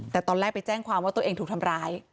แต่ตอนแรกไปแจ้งความว่าตัวเองถูกทำร้าย